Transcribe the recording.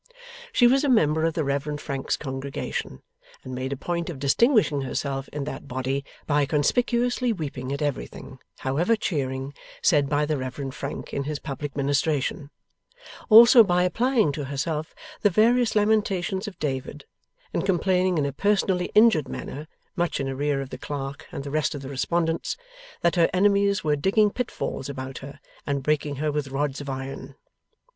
She was a member of the Reverend Frank's congregation, and made a point of distinguishing herself in that body, by conspicuously weeping at everything, however cheering, said by the Reverend Frank in his public ministration; also by applying to herself the various lamentations of David, and complaining in a personally injured manner (much in arrear of the clerk and the rest of the respondents) that her enemies were digging pit falls about her, and breaking her with rods of iron.